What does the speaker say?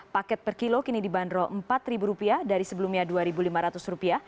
paket per kilo kini dibanderol rp empat dari sebelumnya rp dua lima ratus